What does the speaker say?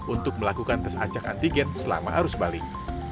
untuk melakukan tes acak antigen selama arus balik